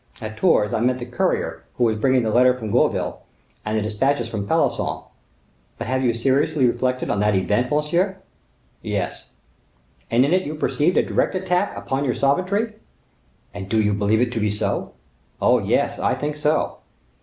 At Tours I met the courier who was bringing the letter from Gourville, and the dispatches from Pelisson. Have you seriously reflected on that event, monsieur?" "Yes." "And in it you perceived a direct attack upon your sovereignty?" "And do you believe it to be so?" "Oh, yes, I think so."